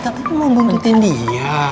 katanya mau momentin dia